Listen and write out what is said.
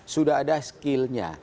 sudah ada skill nya